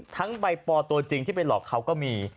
ใบปอตัวจริงที่ไปหลอกเขาก็มี